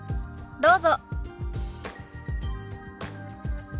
どうぞ。